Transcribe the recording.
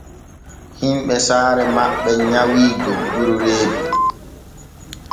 Himɓe saare maɓɓe nyawii dogguru reedu.